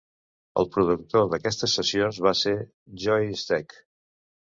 El productor d'aquestes sessions va ser Joey Stec.